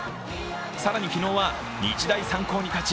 更に昨日は日大三高に勝ち